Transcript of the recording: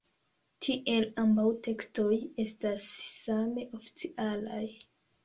Tiel ambaŭ tekstoj estas same oficialaj.